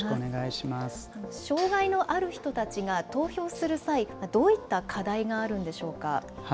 障害のある人たちが投票する際、どういった課題があるんでしょうか。